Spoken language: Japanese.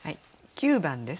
９番です。